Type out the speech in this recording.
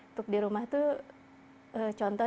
untuk di rumah tuh contoh